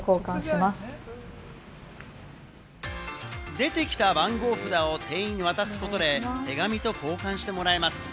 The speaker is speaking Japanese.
出てきた番号札を店員に渡すことで、手紙と交換してもらえます。